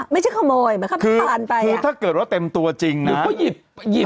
ไม่ใช่ขโมยไปคือถ้าเกิดว่าเต็มตัวจริงนะหนูก็หยิบหยิบ